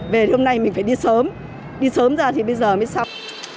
về hôm nay mình phải đi sớm đi sớm ra thì bây giờ mới xong